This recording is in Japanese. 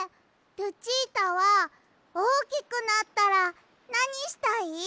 ルチータはおおきくなったらなにしたい？